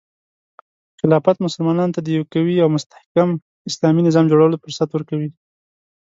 خلافت مسلمانانو ته د یو قوي او مستحکم اسلامي نظام جوړولو فرصت ورکوي.